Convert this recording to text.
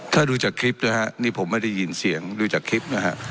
ถ้าดูจากคลิปนะฮะนี่ผมไม่ได้ยินเสียงดูจากคลิปนะฮะ